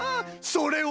それは。